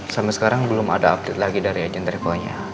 sampai sekarang belum ada update lagi dari agent revo'nya